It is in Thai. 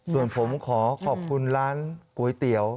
ส่วนผมขอขอบคุณร้านก๋วยเตี๋ยว